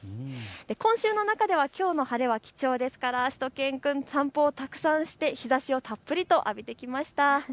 今週の中ではきょうの晴れは貴重ですから、しゅと犬くん散歩をたくさんして、日ざしをたっぷりと浴びてきました。